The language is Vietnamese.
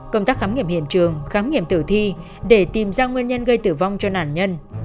công tác khám nghiệm hiện trường khám nghiệm tử thi để tìm ra nguyên nhân gây tử vong cho nạn nhân